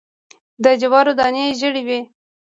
د جوارو دانی ژیړې وي